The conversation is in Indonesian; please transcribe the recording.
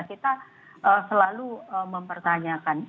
kita selalu mempertanyakan